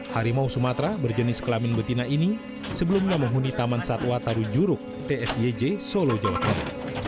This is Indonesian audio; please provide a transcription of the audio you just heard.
harimau sumatra berjenis kelamin betina ini sebelumnya menghuni taman satwa taru juruk tsij solo jawa tengah